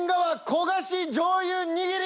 焦し醤油握り！